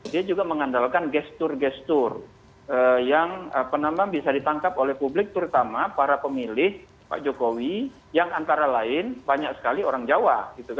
dia juga mengandalkan gestur gestur yang bisa ditangkap oleh publik terutama para pemilih pak jokowi yang antara lain banyak sekali orang jawa